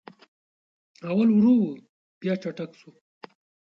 اول ورو و بیا چټک سو